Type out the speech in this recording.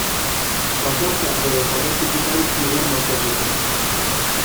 Bakarka edo talde txikitan hibernatzen dute.